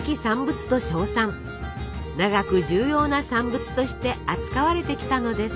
長く重要な産物として扱われてきたのです。